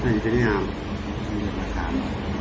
นี่คันยืนตรงนี้อาร์ม